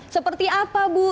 seperti apa bu